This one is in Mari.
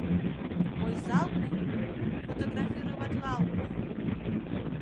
Войзалтме — фотографироватлалтме.